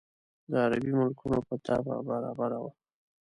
د عربي ملکونو په طبع برابره وه.